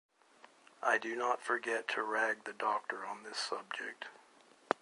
I do not forget to rag the doctor on this subject.